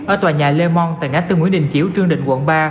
ở tòa nhà le mon tại ngã tư nguyễn đình chiếu trương định quận ba